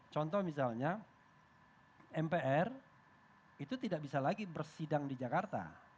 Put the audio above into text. contoh misalnya mpr itu tidak bisa lagi bersidang di jakarta